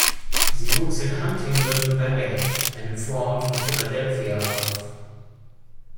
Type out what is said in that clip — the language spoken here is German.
Sie wuchs in Huntingdon Valley, einem Vorort von Philadelphia auf.